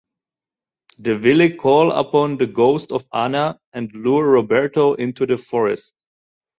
The Villi call upon the ghost of Anna and lure Roberto into the forest.